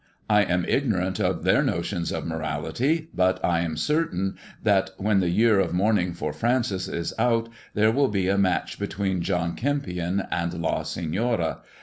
I am ignorant of their notions of morality, but I am certain that, when the year of mourning for Francis is out, there will be a match between John Kempion and La Senoro.